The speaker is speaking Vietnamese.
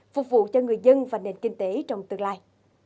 phục vụ cho người dân và nền kinh tế trong tương lai